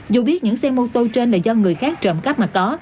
dù biết những xe mô tô trên là do người khác trộm cắp mà có